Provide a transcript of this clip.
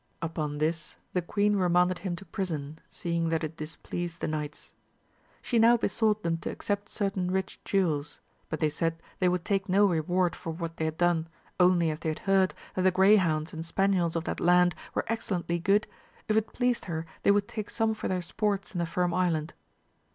Upon this the queen remanded him to prison, seeing that it displeased the knights. She now be sought them to accept certain rich jewels ; but they said they would take no reward for what they had done, only as they had heard that the greyhounds and spaniels of that land were excellently good, if it pleased her they would take some for their sports in the Firm Island.